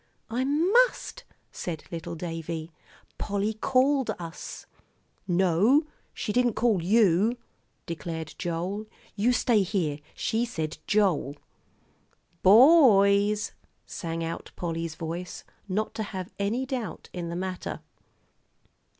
"I must," said little Davie; "Polly called us." "No, she didn't call you," declared Joel. "You stay here. She said 'Joel.'" "Bo oys!" sang out Polly's voice, not to have any doubt in the matter.